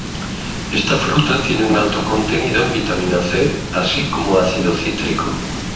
Esta fruta tiene un alto contenido en vitamina C, así como ácido cítrico.